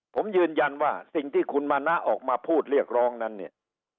ผมยืนยันว่าสิ่งที่คุณมานะออกมาพูดเรียกร้องนั้นเนี่ย